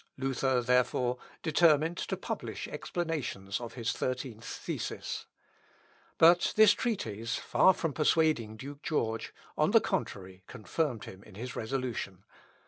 Luther, therefore, determined to publish explanations of his thirteenth Thesis. But this treatise, far from persuading Duke George, on the contrary, confirmed him in his resolution.